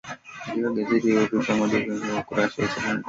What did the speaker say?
katika gazeti hili lina picha moja katika ukurasa wake wa ishirini na tatu